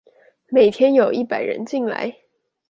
每天有一百人進來